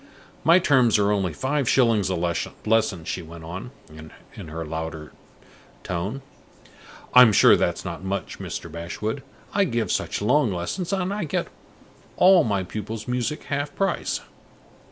My terms are only five shillings a lesson," she went on, in her louder tone. "I'm sure that's not much, Mr. Bashwood; I give such long lessons, and I get all my pupils' music half price."